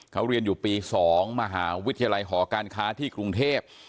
เขาเรียนอยู่ปี๒มหาวิทยาลัยหอการค้าที่กรุงเทพ